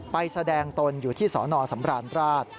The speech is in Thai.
ไปแสดงตนอยู่ที่สนสำราญราช